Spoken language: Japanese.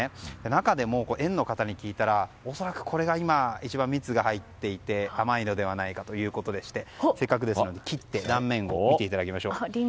中でも、園の方に聞いたら恐らく、これが今、一番蜜が入っていて甘いのではないかということでせっかくですので切って断面を見ていただきましょう。